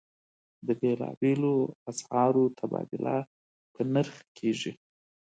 د بېلابېلو اسعارو تبادله په نرخ کېږي.